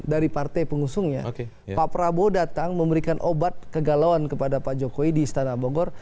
dari partai pengusungnya pak prabowo datang memberikan obat kegalauan kepada pak jokowi di istana bogor